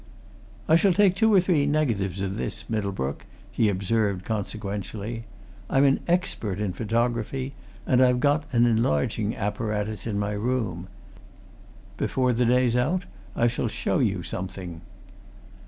"I shall take two or three negatives of this, Middlebrook," he observed, consequentially. "I'm an expert in photography, and I've got an enlarging apparatus in my room. Before the day's out, I shall show you something."